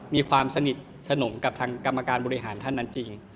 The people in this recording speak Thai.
มีความสนิทสนมกับทางกรรมการบริหารท่านนั้นจริง